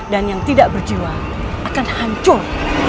dan yang tidak berjiwa akan hancur